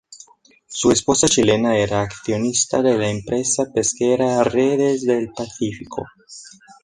Su esposa chilena era accionista de la empresa pesquera Redes del Pacífico.